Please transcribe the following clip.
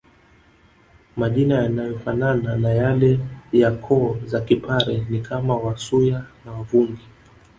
Majina yanayofanana ya yale ya koo za kipare ni kama Wasuya na Wavungi